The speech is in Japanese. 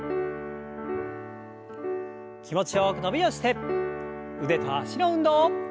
気持ちよく伸びをして腕と脚の運動。